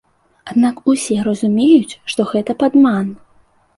Аднак усе разумеюць, што гэта падман.